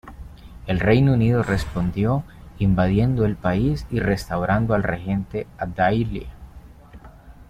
El Reino Unido respondió invadiendo el país y restaurando al Regente 'Abd al-Ilah.